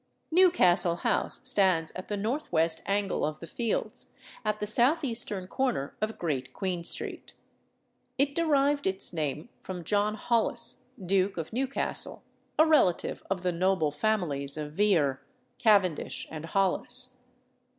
Newcastle House stands at the north west angle of the Fields, at the south eastern corner of Great Queen Street. It derived its name from John Holles, Duke of Newcastle, a relative of the noble families of Vere, Cavendish, and Holles.